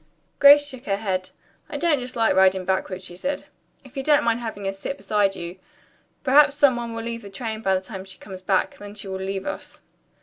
Grace shook her head. "I don't dislike riding backward," she said, "if you don't mind having her sit beside you. Perhaps some one will leave the train by the time she comes back; then she will leave us."